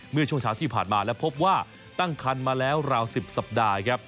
เมื่อช่วงเช้าที่ผ่านมาและพบว่าตั้งคันมาแล้วราว๑๐สัปดาห์ครับ